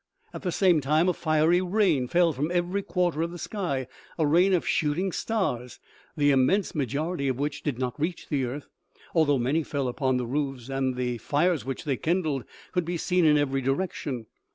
At the same time a fiery rain fell from every quarter of the sky, a rain of shoot ing stars, the immense majority of which did not reach the earth, al though many fell upon the roofs, and the fires which they kindled could be seen in every direction.